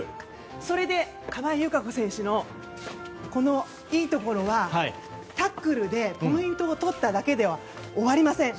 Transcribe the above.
それで川井友香子選手のいいところはタックルでポイントを取っただけでは終わりません。